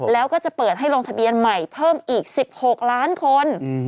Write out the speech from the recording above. แล้วก็จะเปิดให้ลงทะเบียนใหม่เพิ่มอีก๑๖ล้านคน